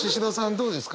どうですか？